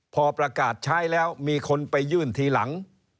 พอประกาศใช้แล้วมีคนไปยื่นทีหลัง